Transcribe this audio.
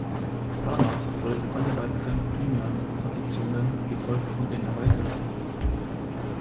Danach folgen alle weiteren primären Partitionen gefolgt von den erweiterten.